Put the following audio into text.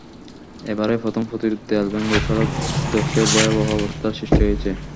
এবারই প্রথম প্রতিরোধ দেয়াল ভেঙে, সড়ক ধসে ভয়াবহ অবস্থার সৃষ্টি হয়েছে।